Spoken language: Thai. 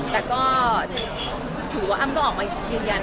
แต่ก็ถือว่าก็ออกมาเย็น